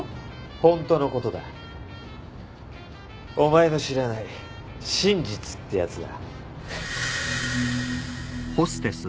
本当のことだお前の知らない真実ってやつだ